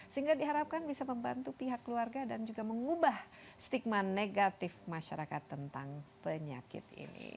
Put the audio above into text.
sehingga diharapkan bisa membantu pihak keluarga dan juga mengubah stigma negatif masyarakat tentang penyakit ini